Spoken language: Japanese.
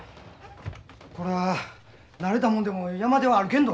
こら慣れたもんでも山道は歩けんど。